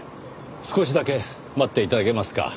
少しだけ待って頂けますか。